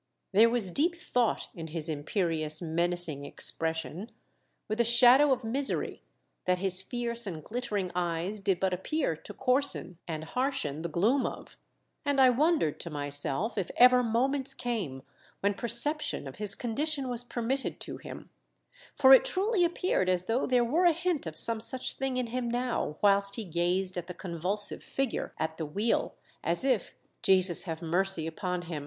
There was deep thought in his im perious, menacing expression, with a shadow of misery that his fierce and glittering eyes did but appear to coarsen and harshen the gloom of, and I wondered to myself if ever moments came when perception of his con dition was permitted to him, for it truly appeared as though there were a hint of some such thing in him now whilst he gazed at the THE DUTCH ,'^ATLOR.S EOARD THE WRECK. 299 convulsive figure at the wheel, as if — Jesus have mercy upon him